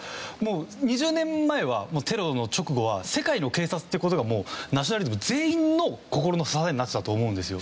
２０年前はテロの直後は世界の警察っていう事がもうナショナリズム全員の心の支えになってたと思うんですよ。